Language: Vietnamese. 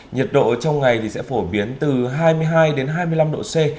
nhiệt độ trong ngày thì sẽ phổ biến từ hai mươi hai đến hai mươi năm độ c